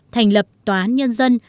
thành lập tòa án nhân dân